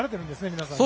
皆さん。